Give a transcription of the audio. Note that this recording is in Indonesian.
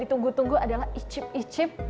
ditunggu tunggu adalah icip icip